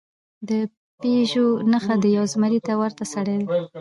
د پېژو نښه د یو زمري ته ورته سړي ده.